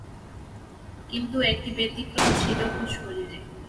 কিন্তু একটি ব্যতিক্রম ছিল ওর শরীরে।